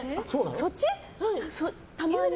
そっち？